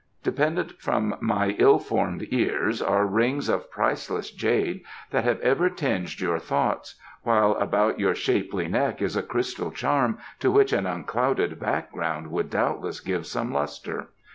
Dependent from my ill formed ears are rings of priceless jade that have ever tinged your thoughts, while about your shapely neck is a crystal charm, to which an unclouded background would doubtless give some lustre.